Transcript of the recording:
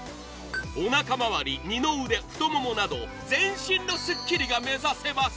おなかまわり、二の腕、太ももなど全身のすっきりが目指せます。